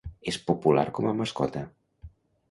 És popular com a mascota.